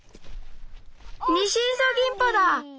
ニシイソギンポだ！